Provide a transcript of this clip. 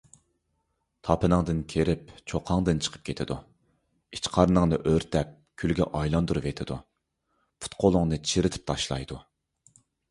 تاپىنىڭدىن كىرىپ چوققاڭدىن چىقىپ كېتىدۇ. ئىچ - قارنىڭنى ئۆرتەپ كۈلگە ئايلاندۇرۇۋېتىدۇ. پۇت - قولۇڭنى چىرىتىپ تاشلايدۇ.